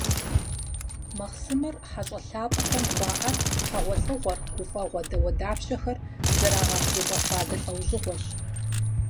Махъсымэр хьэщIэ лъапIэхэм хуаIэт, хьэгъуэлIыгъуэр, гуфIэгъуэ дауэдапщэхэр зэрагъэбжьыфIэ фадэ лIэужьыгъуэщ.